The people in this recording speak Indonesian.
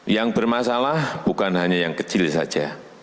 yang bermasalah bukan hanya yang kecil saja